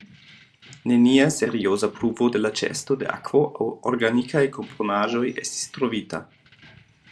Nenia serioza pruvo de la ĉeesto de akvo aŭ organikaj komponaĵoj estis trovita.